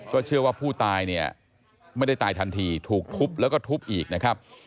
เชื่อว่าผู้ตายเนี่ยไม่ได้ตายทันทีถูกทุบแล้วก็ทุบอีกนะครับ